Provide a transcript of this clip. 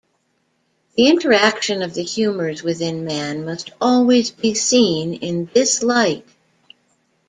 The interaction of the humors within man must always be seen in this light.